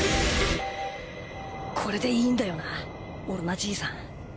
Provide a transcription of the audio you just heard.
これでいいんだよなオロナじいさん。